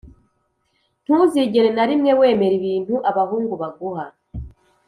Ntuzigere na rimwe wemera ibintu abahungu baguha